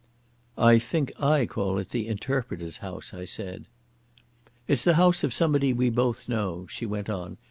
"I think I call it the Interpreter's House," I said. "It's the house of somebody we both know," she went on.